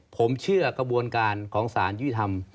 ผมเชื่อกระบวนการของสารยุติธรรม